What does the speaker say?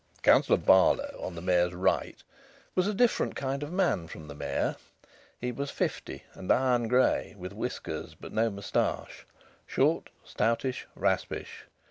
Councillor Barlow, on the Mayor's right, was a different kind of man from the Mayor. He was fifty and iron grey, with whiskers, but no moustache; short, stoutish, raspish.